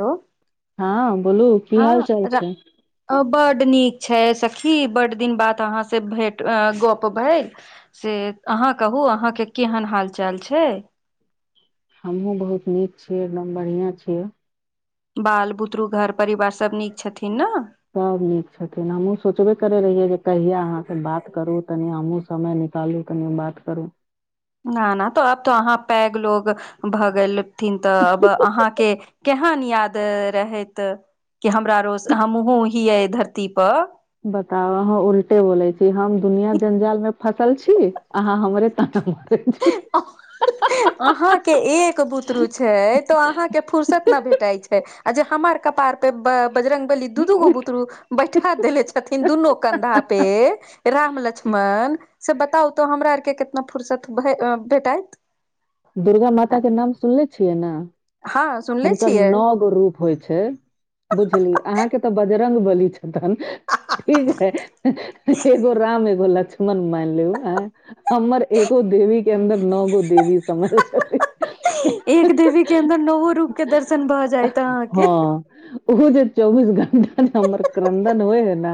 Hello हँ बोलू की हाल चाल छै बड नीक छै सखी बड दिन बाद अहाँसँ भेट गप भेल। से अहाँ कहू अहाँकेँ केहन हाल चाल छै? हमहुँ बहुत नीक छियै एकदम बढ़िआँ छियै। बाल बुतरु घर परिवार सब नीक छथिन न सभ नीक छथिन हमहुँ सोचबे करै रहियै जे कहिया अहाँसँ बात करू तनि हमहूँ समय निकालू कनि बात करु। न ना तऽ आब तऽ अहाँ पैघ लोग भ गेलथिन तऽ अब अहाँकेँ केहन याद रहैत कि हमरा रोज हमहुँ हीअ धरतीप बताउ अहाँ उल्टे बोले छी हम दुनिया जंजाल में फसल छी अहाँ हमरे तन मारय छि। [unintelligible] अहाँकेँ एक बुतरू छै तो अहाँकेँ फुर्सत नै भेटाई छै आ जे हमर कपार पर जे बजरंगबली दू दूगो बुतरू बैठा देेले छथिन दुनू कंधा पे राम लक्ष्मण से बताउ तो हमरा आर केँ कितना फुर्सत भ भेटत? दुर्गा माता कऽ नाम सुनले छियै न हँ [inaudible] सुनले हुनकर छियै नओ गो रूप होइ छै। बुझली अहाँ केँ तऽ बजरंगबली छथन ठीक है एगो राम एगो लक्ष्मण नमानि लिउ हमर एगो देवी केँ अन्दर नओ गो देवी समैल छथिन। एक देवी केँ अन्दर नओ रूप केँ दर्शन भऽ जायत अहाँकेँ ओ जे चौबीस घंटा नजे हमर क्रन्दन होइ है न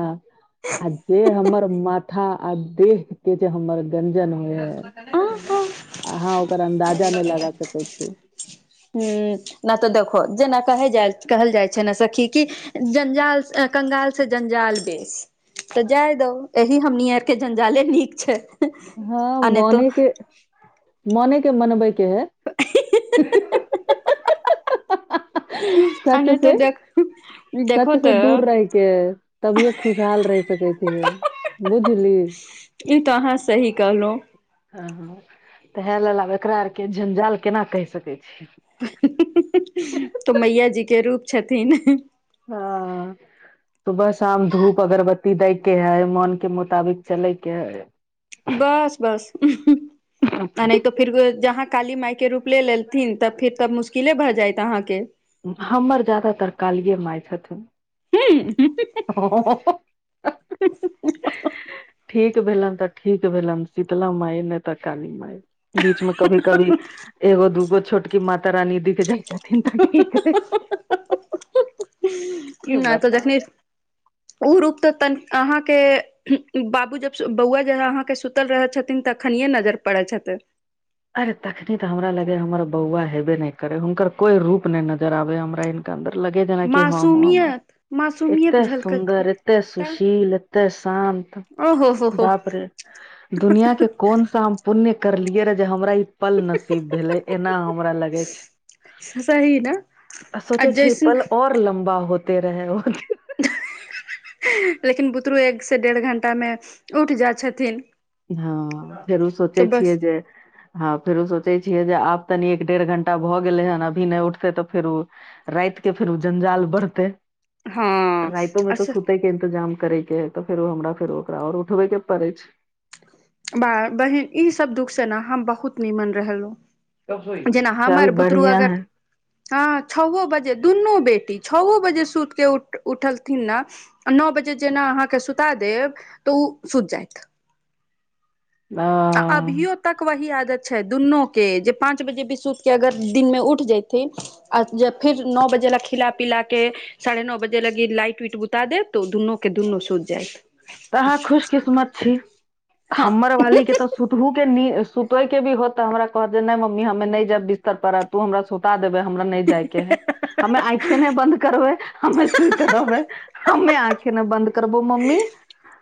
आ जे हमर माथा आ देह के जे हमर गंजन होइ है अहाँ ओकर अन्दाजा नहि लगा सकै छी।। ह नहि तऽ देखो जेना कह जा कहल जाइ छै ने सखी कि जञ्जाल कगाल से जञ्जाल बेस। त जाय दौ एहि हमनी आर के जंजाले नीक छै। ह आ नहि तो बने आ के मने के मनबेके है। हाहाहा [unintelligible] आ नै तो देख देखो सत्य से तऽ दूर रहिके तभिए खुशहा लऽ रहि सकै छै। बुझली ई तऽ अहाँ सही कहलहुँ। हँ तऽ हएह लेल आब एकरा आरके जंजाल केना कहि सकैत छी हाहा तऽ मैया जी के रूप छथिन। ह सुबह शाम धूप अगरबत्ती दै के है मोन के मुोताबिक चले के बस बस हम्म आ न तऽ फिर जहाँ काली मायके रूप ले लेलथिन तऽ फिर तब मुश्किले भऽ जायत अहाँकेँ हमर ज्यदातर कालिए माय छथिन। ह नहि हाँ हाहाहा - [unintelligible] ठीक भेलनि तऽ ठीक भेलन शीतला माय नहि तऽ काली मा बीच मे कभी कभी एगो दूगो छोटकी माता रानी दिख जाइ छथिन तऽ ह ठीक हय की नहि तऽ बताउ जखनी ओ रूप तऽ तइन अहाँकेँ बाबू जब बौआ जे अहाँकेँ सुतल रहै छथिन तऽ खनिये नजर पड़ै छथि। अरे तखनी तऽ हमरा लगे हमर बौआ हेबे नहि करे हुनकर कोई रूप नै नजर आबे हमरा। अन्दर लगे जेना कि ह ह मासूमियत अरे मासूमियत एते झलकत सुन्दर होइत एते तऽ सुशील तऽ शान्त ओ हो हो हो बापरे दुनिया के कोन सा हम पुण्य करलियै रह जे हमरा पल नसीब भेले एना हमरा लगे छै। सही ने आ सोचे छै जैसन पल और लम्बा होते रह ओ छै लेकिन बुतरू एकसँ डेढ़ घण्टामे उठ जाइ छथिन। ह फेरो सोचै तऽ छियै बस जे ह फेरो सोचै छियै जे आब तनी एक डेढ़ घंटा भऽ गेलै हन अभी नहि उठते तऽ फेरो राति के फेर ओ जंजाल बढ़ते हँ राइतोमे तऽ अच्छा सु के इन्तजाम करे के है तऽ फेरो हमरा फेर ओकरा आर उठबे के पड़े छै बा बहिन ईसभ दुखसँ ने हम बहुत निमन रहलहुँ कब सोइब जेना चल हमर बुतरू बढ़िया अगर। है ह छओ बजे दुनू बेटी छओ बजे सुति कऽ उठ उठलथिन ने नओ बजे जेना अहाँकेँ सुता देब तऽ ओ सुति जायत ह। आ अभियो तक वही आदत छै दुनू के ज पाँच बजे बिसुतके अगर दिनमे उठि जयथिन आ जे फेर नओ बजे लए खिला पिला क साढ़े नओ बजे लगी लाइट उइट बुता देत तऽ ओ दुनू के दुनू सोति जायत अहाँ खुशकिस्मत छी हँ हमर वाली के तऽ सुतहुू के नी सुते के भी होत ते हमरा कहत दे नय मम्मी हमे नय जायब बिस्तर पर तू हमरा सुता देबै हमरा नय जायके है हमे अइखे नय बंन्द करबै हमे सुति रहबै हमे आखे ने बन्द करबौ मम्मी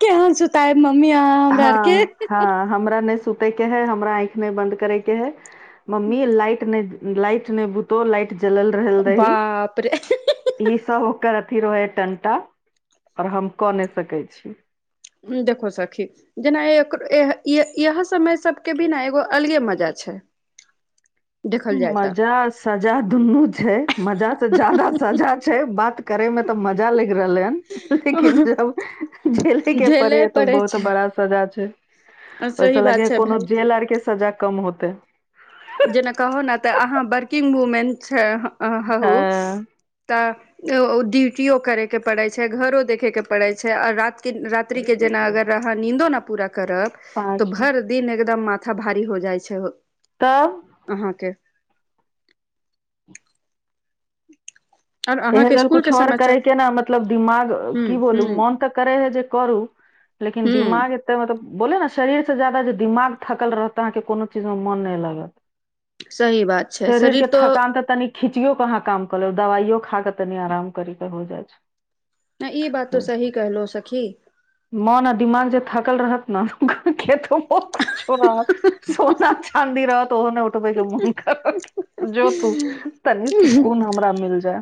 केहन सुताय मम्मी यहाँ हमरा हँ आर के हँ हमरा नय सुते के है हमरा आँखि नय बंद करे के है मम्मी लाइट नय लाइट नय बुतो लाइट जलल रहल बाप रे रहोलदीही ई सब ओकर अथी रहे ह टंटा और हम क नय सकै छी उ देखो सखी जेना एक इय इह समय सबके भी ने एगो अलगे मजा छै देखल जाय तऽ मजा सजा दुन्नू छै मजा तऽ जादा सजा छै बात करे में तऽ मजा लगि रहले हन लेकिन जब झेले के पड़े है त पड़ै बहुत छै बड़ा सजा छै ओहिस सही बात लागे छै कोनो भाय जेल आर के सजा कम होते जेना कहो ने तऽ अहाँ वर्किंग वूमेन छ हू हँ त ड्यूटियो करयके पड़ै छै घरो देखेके पड़ै छै आओ रात कि रात्रि के जेना अगर अहा नींदो ना पूरा करब तो पाँच में भर [unintelligible] एकदम माथा भारी हो जाइ छै तऽ अहाँके आओर एहि अहाँके लेल स्कुल कुछ के ओर समाचार करैके ने मतलब दिमाग हूं की बोलू हूं मोन ता करे है जे करू लेकिन हूं दिमाग त मतलब बोलो ने शरीर से जादा जे दिमाग थकल रहत अहाँके कोनो चीज मे मन नय लागत सही बात छै शरीर के तो थकान त तनिक खिचियो क अहाँ काम क लेब दवाइयो खा क तनि आराम करें क हो जाइ छै न ई बात तो सही कहलो सखी मन आ दिमाग जे थकल रहत ने [unintelligible] [unintelligible] कुछोन सोना चानदी रह त ओहोने उठ [unintelligible] मोन करत जोतू तनी सुकून हमरा मिल जाय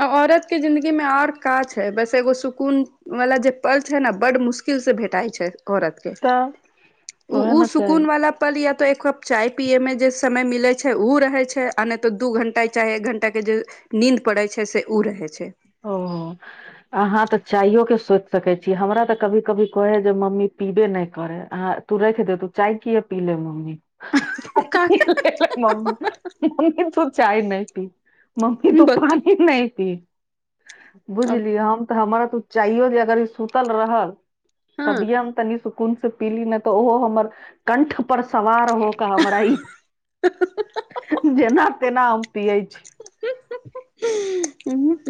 अब औरत के जिन्दगी मे आओर का छै बस एगो सुकून [unintelligible] जे पल छै ने बड मुश्किल से भेटाइ छै औरत तऽ ऊ ओहे ऊ ने सुकून चाही वाला पल या त एक कप चाय पियैमे जे समय मिलै छै ऊ रहै छै आ नय त दू घण्टा चाहे एक घण्टाके जे नीन्द पड़ै छै से ऊ रहै छै ओ अहाँ त चाइयो के सोइच सकैत छी हमरा त कभी कभी कहय जे मम्मी पीबे नय करय आहाँ तू राइख दे तू चाय किए पीले मम्मी का [unintelligible] मम्मी [unintelligible] चाय नहि पी मम्मी तु बत पानी नय पी अब बुझलिय हम त हमरा त चाहियो जे अगर ई सुतल रहल हँ तभिय हम तनी सु [unintelligible] से पीली नहि त ओहो हमर कंठ पर सवार होक हमरा ई जेना तेना हम पियै छी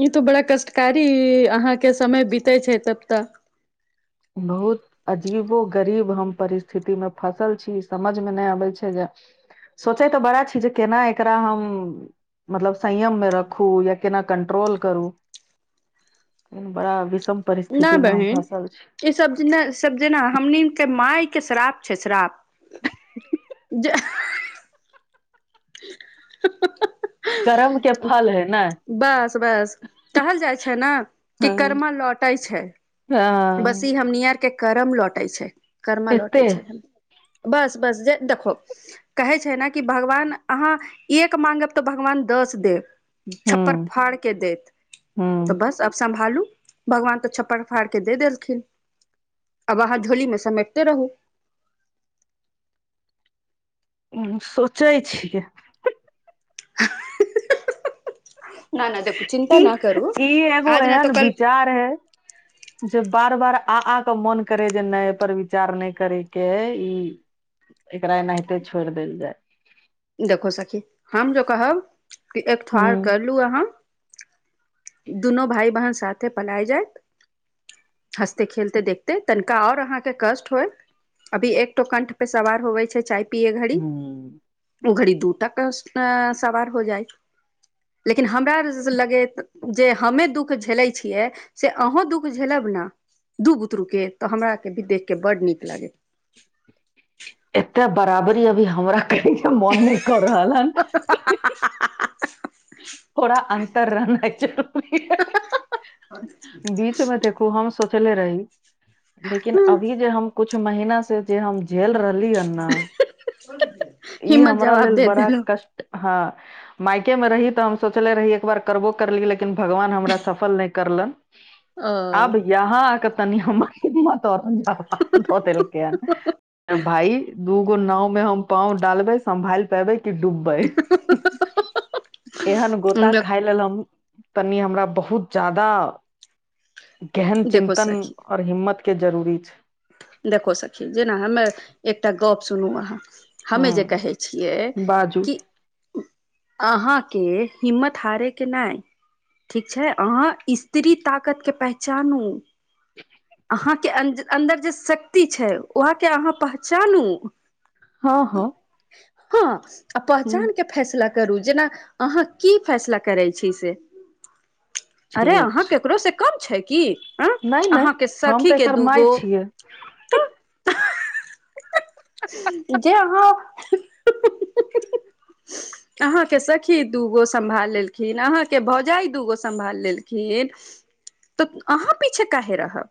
ई त बड़ा कष्टकारी अहाँके समय बीते छै तब त बहुत अजीबो गरीब हम परिस्थितिमे फँसल छी समझमे नै अबै छै जे सोचै तऽ बड़ा छी जे केना एकरा हम मतलब संयम में रखू या केना कंट्रोल करू बड़ा विषम परिस्थिति म हम फसल छी सबजेन सबजेना हमनि केँ माय के श्राप छै श्राप [inaudible] जे [unintelligible] करम कऽ फल है ने बस बस कहल जाय छै न कि हँ कर्मा लौटे छै बस हँ ई हमनीयाआर केँ करम लौटय छै करमा एते लौटय छै बस बस जे देखउ कहै छै न कि भगवान अहाँ एक माँगब तऽ भगवान दस देब छप्पर हूँ फाड़ केँ देत तऽ हूँ [inaudible] बस अब सम्भालू भगवान तऽ छप्पर फाड़ दे देलखिन [inaudible] अब अहाँ झोली मे समैटिते रहू उ सोचै छियै [unintelligible] [unintelligible] चिन्ता [unintelligible] न करू इ एगो आज न एहेन तऽ कल विचार है जे बार बार आ आ कऽ मोन करे जे नै यै पर विचार नै करेके इ एकरा एनाहिते छोइर देल जाय देखु सखी हम जे कहब कि एक हूँ ठर करलू अहाँ दुनू भाइ बहन साथ पलाय जाइत हँसते खेलते देखते तनिका और अहाँकेँ कष्ट होयत अभी एकटो कंठ पे सवार होवे छै चाय पिय घड़ी हूँ ओ घड़ी दू कंठ पै सवार हो जाइ लेकिन हमरा लगैत जे हमे दुःख झेलै छियै से अहूं दुःख झेलब ने दू बुतरू केँ तऽ हमरा केँ भी देख केँ बड नीक लागेत एते बराबरी अभी हमरा करय केँ मोन नै कऽ रहल हन थोड़ा अन्तर रहनाय जरुरी अय बीच मे देखू हम सोचले रही लेकिन अभी जे हम कुछ महीना से जे हम झेल रहल ली ह न [inaudible] इ हिम्मत हमरा जवाब लेल दे बडा देलहु कष्ट हँ माइके म रही तऽ हम सोचले रही एक बार करबो करली लेकिन भगवान हमरा सफल नै करलन आब अ यहां आके तनी हमर [unintelligible] दऽ देलकै हन [inaudible] भाय दूगो नाव में हम पांव डालबय सम्भाल पेबे की डूबबय एहन गोता खाय लेल हम [inaudible] तनि हमरा बहुत जादा [inaudible] गेहन देखो चिन्तन सखी और हिम्मत केँ जरूरी छै देखो सखी जेना हमे एकटा गप सुनु अहाँ हमे जे ह कहै छियै बाजू कि अहाँ केँ हिम्मत हारे केँ नै ठीक छै अहाँ स्त्री ताकत केँ पहचानू [unintelligible] अहाँकेँ अन्दर जे शक्ति छै वहाँ केँ अहाँ पहचानू हँ हं हँ आ पहचान के फैसला करू जेना अहाँ की फैसला करै छी से अरे अहाँ केकरो से कम छै की अ नय नय अहाँके हम त सखीके एकर दूगो माई छियै जे अहाँ [inaudible] [inaudible] अहाँके सखी दूगो सम्भाल लेलखिन अहाँके भौजाइ दूगो सम्भाल लेलखिन तऽ अहाँ पीछे काहे रहब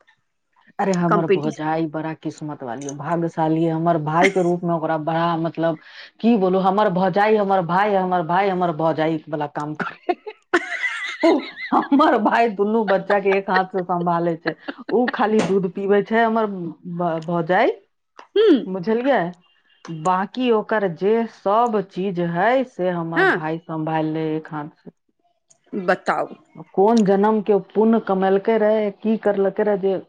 अरे हमर कम्पीटिशन भौजाई बड़ा किस्मत वाली भाग्यशाली ह हमर भााय के रूप मे ओकरा बड़ा मतलब की बोलो हमर भौजाइ हमर भाय हमर भाय हमर भौजाइ वाला काम करे ओ हमर भाय दुनू बच्चा के एक हाथ से सम्भाले छै ओ खाली दूध पीबे छै हमर भौजाई ह बुझलियै बाकी ओकर जे सब चीज हय से हमर हँ भााय सम्भाल लेहे एक हाथ से बताऊ कोन जनम के उ पुण्य कमेलकै रहए की करलकै रहए जे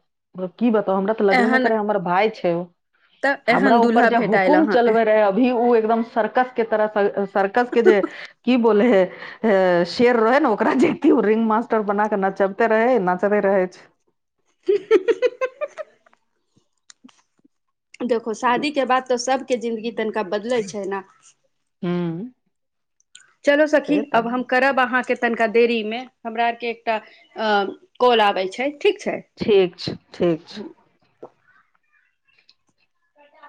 की बताऊ हमरा तऽ लगबे नइ एहन करे हमर भाय छै ओ तऽ हमरा एहन ऊपर दूल्हा जे भेटायल हुकुम अहाँ चलबे रहे अभी ओ एकदम सर्कस के तरह सर्कस के जे की बोलेहे हे शेर रहै ने ओकरा जे की ओ रिंग मास्टर बना के नचेबते रहे नाचते रहे छै [inaudible] देखो शादीके बाद तऽ सभके जिन्दगी तनिका बदलै छै न [inaudible] चलो सखी से अब तऽ हम करब अहाँके तनिका देरी में हमरा आर के एकटा अ कॉल आबे छै ठीक छै ठीक छै ठीक छै कटा